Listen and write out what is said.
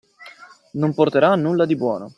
Non porterà a nulla di buono!